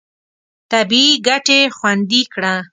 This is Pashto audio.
طبیعي ګټې خوندي کړه.